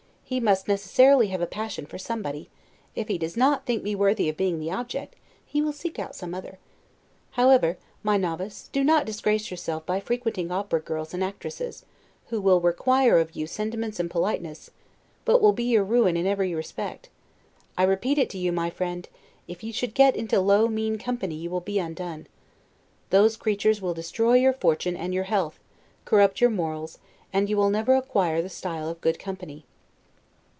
He must necessarily have a passion for somebody; if he does not think me worthy of being the object, he will seek out some other. However, my novice, do not disgrace yourself by frequenting opera girls and actresses; who will not require of you sentiments and politeness, but will be your ruin in every respect. I repeat it to you, my friend, if you should get into low, mean company, you will be undone. Those creatures will destroy your fortune and your health, corrupt your morals, and you will never acquire the style of good company.